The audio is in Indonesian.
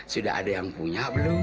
sudah ada yang punya belum